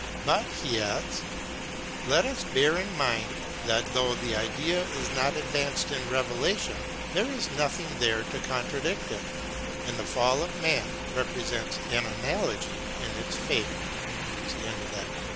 " But," he adds, " let us bear in mind that, though the idea is not advanced in revelation, there is nothing there to contradict it, and the fall of Man presents an analogy in its favour."